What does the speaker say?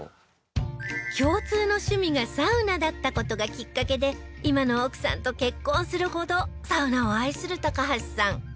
共通の趣味がサウナだった事がきっかけで今の奥さんと結婚するほどサウナを愛する高橋さん